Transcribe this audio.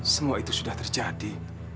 semua itu sudah terjadi